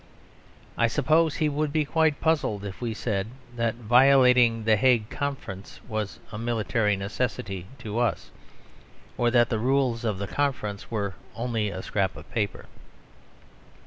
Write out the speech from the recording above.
I suppose he would be quite puzzled if we said that violating the Hague Conference was "a military necessity" to us; or that the rules of the Conference were only a scrap of paper.